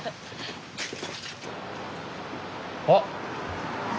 あっ！